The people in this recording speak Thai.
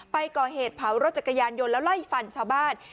ไปก่อเหตุเผารถจักรยานยนต์แล้วไล่ฟันชาวบ้าน